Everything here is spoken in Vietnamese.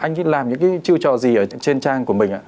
anh ấy làm những cái chiêu trò gì ở trên trang của mình ạ